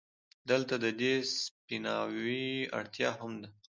دلته د دې سپيناوي اړتيا هم ده،